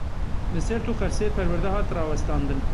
Li Sêrt û Qersê perwerde hat rawestandin.